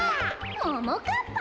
ももかっぱ？